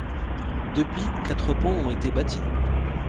Depuis, quatre ponts ont été bâtis.